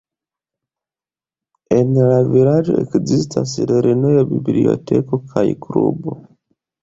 En la vilaĝo ekzistas lernejo, biblioteko kaj klubo.